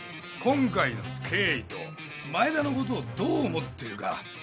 今回の経緯と前田のことをどう思っているか